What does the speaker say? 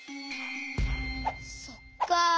そっか。